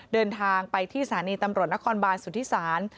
เดินทางไปที่สถานีตำรวจนครบานสุธิศาล